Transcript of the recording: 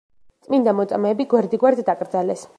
წმინდა მოწამეები გვერდიგვერდ დაკრძალეს.